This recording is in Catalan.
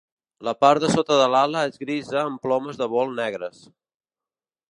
La part de sota de l'ala és grisa amb plomes de vol negres.